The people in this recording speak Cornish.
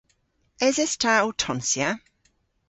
Eses ta ow tonsya?